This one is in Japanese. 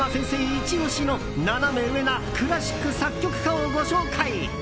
イチ押しのナナメ上なクラシック作曲家をご紹介。